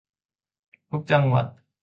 ทุกจังหวัด